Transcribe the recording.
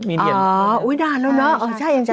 อ๋ออุ้ยนานแล้วนะ